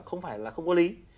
không phải là không có lý